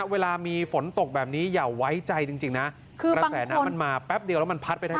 เวลามีฝนตกแบบนี้อย่าไว้ใจจริงนะคือกระแสน้ำมันมาแป๊บเดียวแล้วมันพัดไปทาง